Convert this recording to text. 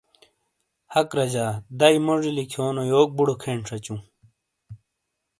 حق رجا، دَئیی موجی لکھیونو یوک بُڑو کھین شَچُوں۔